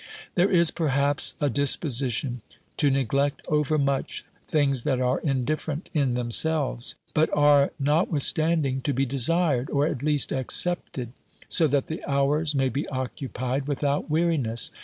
There is perhaps a disposition to neglect overmuch things that are indifferent in themselves, but are notwith standing to be desired, or at least accepted, so that the hours may be occupied without weariness.